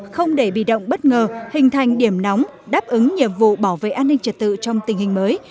không để bị động bất ngờ hình thành điểm nóng đáp ứng nhiệm vụ bảo vệ an ninh trật tự trong tình hình mới